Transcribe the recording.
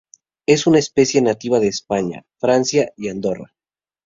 Es una especie nativa de España, Francia y Andorra.